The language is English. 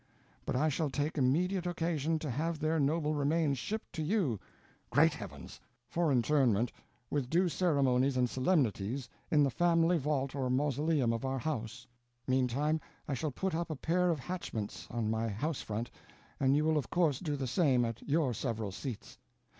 But I shall take immediate occasion to have their noble remains shipped to you ("Great heavens!") for interment, with due ceremonies and solemnities, in the family vault or mausoleum of our house. Meantime I shall put up a pair of hatchments on my house front, and you will of course do the same at your several seats.